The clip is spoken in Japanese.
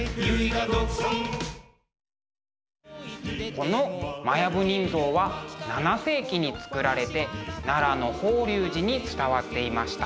この「摩耶夫人像」は７世紀に造られて奈良の法隆寺に伝わっていました。